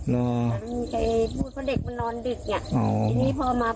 ไม่มีใครพูดเพราะเด็กมันนอนดึก